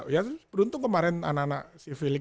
ya beruntung kemarin anak anak si philip